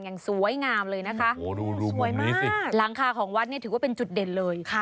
อย่างสวยงามเลยนะคะโอ้โหดูรูมมุมนี้สิสวยมากหลังคาของวัดนี้ถือว่าเป็นจุดเด่นเลยค่ะ